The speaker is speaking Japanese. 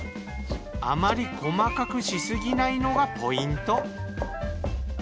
あまり細かくしすぎないのがポイント。